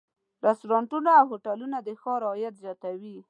رستورانتونه او هوټلونه د ښار عواید زیاتوي.